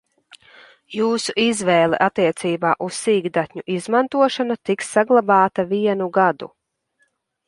Jūsu izvēle attiecībā uz sīkdatņu izmantošanu tiks saglabāta vienu gadu.